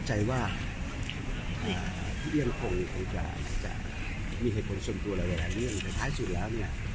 ที่เรียนคงจะมีเหตุผลส่วนตัวหลายเรื่องสุดท้ายสิทธิ์แล้วเนี่ย